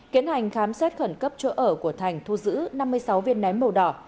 tiến hành khám xét khẩn cấp chỗ ở của thành thu giữ năm mươi sáu viên nén màu đỏ